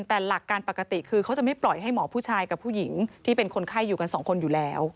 แต่หลักการปกติคือเขาจะไม่ปล่อยให้หมอผู้ชายกับผู้หญิงที่เป็นคนไข้อยู่กันสองคนอยู่แล้ว